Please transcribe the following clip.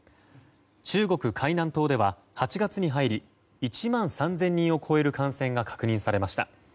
中国・海南島では、８月に入り１万３０００人を超える感染が確認されました。